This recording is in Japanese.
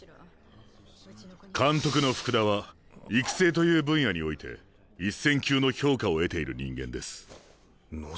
監督の福田は育成という分野において一線級の評価を得ている人間です。望。